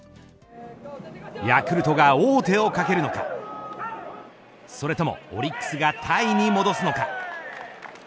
ヤクルトが王手をかけるのかそれともオリックスがタイに戻すのか。